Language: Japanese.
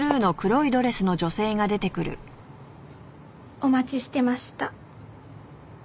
お待ちしてました。